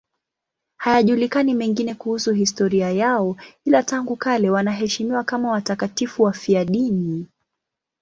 Hayajulikani mengine kuhusu historia yao, ila tangu kale wanaheshimiwa kama watakatifu wafiadini.